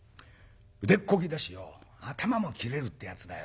腕っこきだしよ頭も切れるってやつだよ。